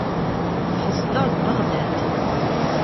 Tezdeɣ deg Beɣdad.